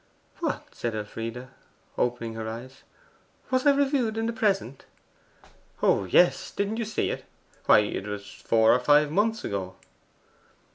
'What?' said Elfride, opening her eyes. 'Was I reviewed in the PRESENT?' 'Oh yes; didn't you see it? Why, it was four or five months ago!